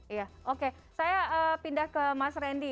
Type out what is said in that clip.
iya oke saya pindah ke mas randy